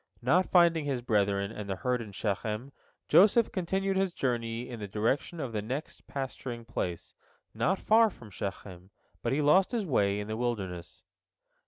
Not finding his brethren and the herd in Shechem, Joseph continued his journey in the direction of the next pasturing place, not far from Shechem, but he lost his way in the wilderness.